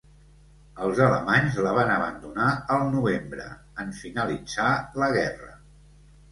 Els alemanys la van abandonar al novembre, en finalitzar la guerra.